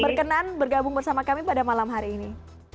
berkenan bergabung bersama kami pada malam hari ini